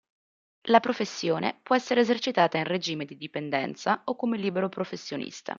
La professione può essere esercitata in regime di dipendenza o come libero professionista.